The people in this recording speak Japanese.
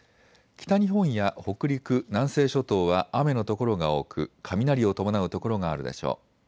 北日本や北陸、南西諸島は雨の所が多く雷を伴う所があるでしょう。